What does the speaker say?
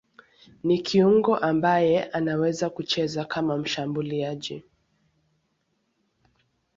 Ni kiungo ambaye anaweza kucheza kama mshambuliaji.